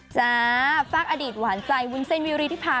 จ้าฝากอดีตหวานใจวุ้นเส้นวิริธิพา